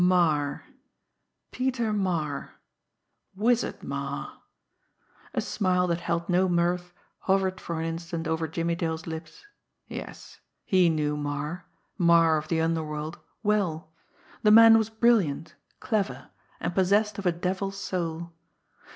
Marre! Peter Marre! Wizard Marre! A smile that held no mirth hovered for an instant over Jimmie Dale's lips. Yes, he knew Marre, Marre of the underworld, well! The man was brilliant, clever and possessed of a devil's soul!